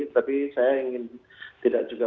tapi saya ingin tidak juga